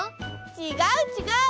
ちがうちがう。